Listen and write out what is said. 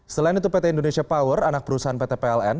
selain itu pt indonesia power anak perusahaan pt pln